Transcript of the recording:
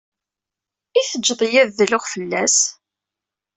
I teǧǧeḍ-iyi ad dluɣ fell-as?